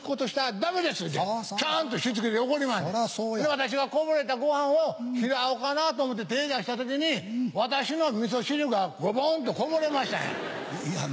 私がこぼれたごはんを拾おうかなと思って手出した時に私のみそ汁がゴボンとこぼれましたんや。